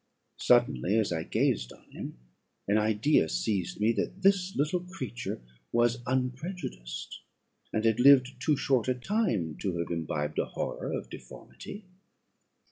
Suddenly, as I gazed on him, an idea seized me, that this little creature was unprejudiced, and had lived too short a time to have imbibed a horror of deformity.